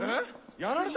やられた？